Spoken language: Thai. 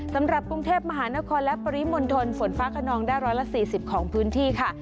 สำหรับกรุงเทพมหานครและปริมณฑลฝนฟ้าขนองได้๑๔๐ของพื้นที่ค่ะ